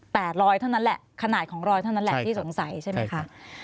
แต่รอยเท่านั้นแหละขนาดของรอยเท่านั้นแหละที่สงสัยใช่ไหมคะ